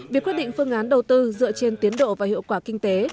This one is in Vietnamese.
việc quyết định phương án đầu tư dựa trên tiến độ và hiệu quả kinh tế